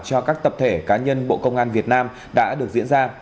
cho các tập thể cá nhân bộ công an việt nam đã được diễn ra